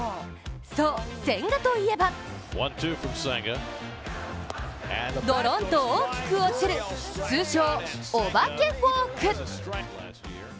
そう、千賀といえばドローンと大きく落ちる通称お化けフォーク。